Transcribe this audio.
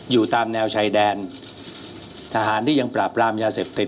อยู่ตามแนวชายแดนทหารที่ยังปราบรามยาเสพติด